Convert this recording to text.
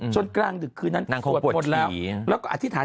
จนกลางดึกคืนนั้นสวดหมดแล้วแล้วก็อธิษฐาน